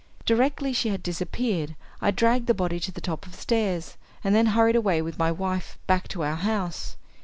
Directly she had disappeared I dragged the body to the top of the stairs, and then hurried away with my wife back to our house.